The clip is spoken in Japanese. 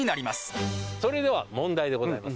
それでは問題でございます。